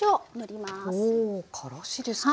ほおからしですか。